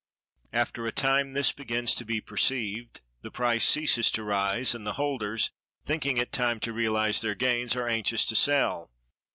After a time this begins to be perceived, the price ceases to rise, and the holders, thinking it time to realize their gains, are anxious to sell.